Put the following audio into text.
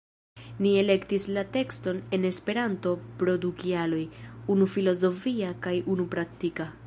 Ni elektis la tekston en Esperanto pro du kialoj, unu filozofia kaj unu praktika.